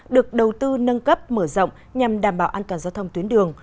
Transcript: được đầu tư nâng cấp mở rộng nhằm đảm bảo an toàn giao thông tuyến đường